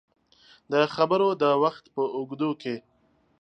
د خبرو د وخت په اوږدو کې